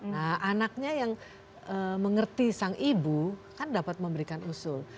nah anaknya yang mengerti sang ibu kan dapat memberikan usul